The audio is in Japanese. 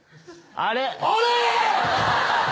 あれ！？